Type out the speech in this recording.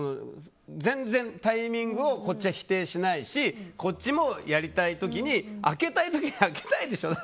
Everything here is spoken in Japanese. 全然タイミングをこっちは否定しないしこっちもやりたい時に開けたい時に開けたいでしょ